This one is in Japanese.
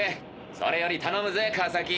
それより頼むぜ川崎。